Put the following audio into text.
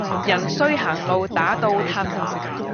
人衰行路打倒褪